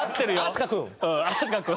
「飛鳥君」。